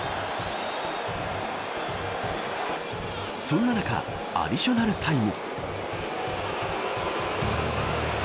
そんな中アディショナルタイム。